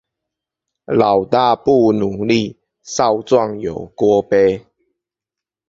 老大不努力，少壯有鍋背